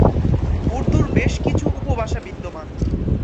উর্দুর বেশ কিছু উপভাষা বিদ্যমান।